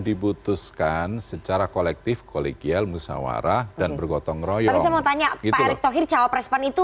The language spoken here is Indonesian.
dibutuhkan secara kolektif kolegial musawarah dan bergotong royong pak erick thohir cowok pres pan itu